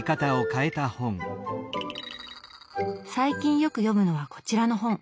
最近よく読むのはこちらの本。